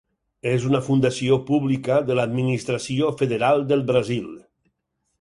És una fundació pública de l'administració federal del Brasil.